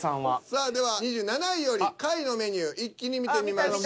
さあでは２７位より下位のメニュー一気に見てみましょう。